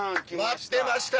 待ってました！